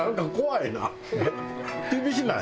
厳しない。